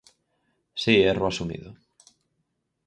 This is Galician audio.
Si, erro asumido.